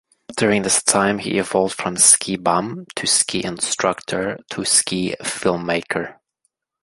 During this time, he evolved from ski bum, to ski instructor, to ski filmmaker.